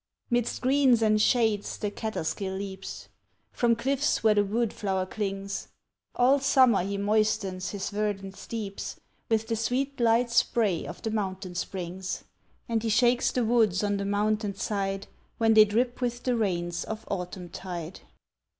Midst greens and shades the Catterskill leaps, From cliffs where the wood flower clings; All summer he moistens his verdant steeps With the sweet light spray of the mountain springs; And he shakes the woods on the mountain side, When they drip with the rains of autumn tide.